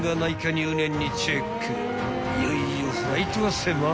［いよいよフライトが迫る］